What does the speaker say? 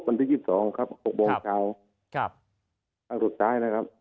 วันที่ยี่สิบสองครับหกโมงเช้าครับครั้งสุดท้ายนะครับ